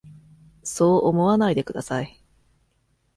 そう思わないでください。